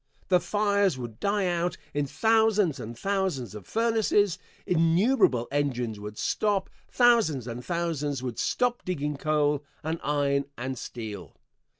The fires would die out in thousands and thousands of furnaces, innumerable engines would stop, thousands and thousands would stop digging coal and iron and steel.